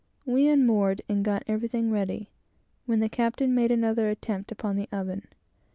We unmoored, and got everything ready, when the captain made another attempt upon the oven.